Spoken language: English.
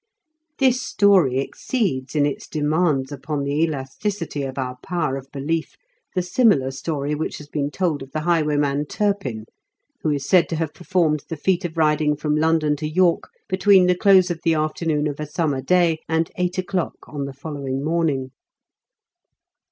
This story exceeds in its demands upon the elasticity of our power of belief the similar story which has been told of the highwayman Turpin, who is said to have performed the feat of riding from London to York between the close of the afternoon of a summer day and eight o'clock on the following morning.